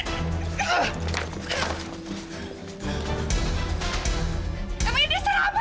sampai jumpa di video selanjutnya